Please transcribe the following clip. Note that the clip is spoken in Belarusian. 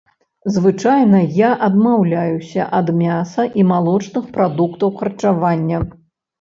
Звычайна я адмаўляюся ад мяса і малочных прадуктаў харчавання.